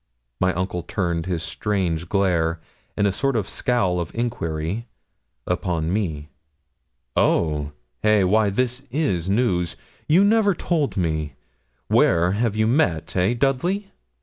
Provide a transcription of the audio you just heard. My uncle turned his strange glare, in a sort of scowl of enquiry, upon me. 'Oh! hey! why this is news. You never told me. Where have you met eh, Dudley?'